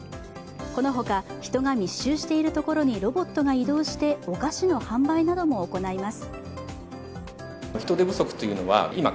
この他人が密集している所にロボットが移動してお菓子の販売なども行います。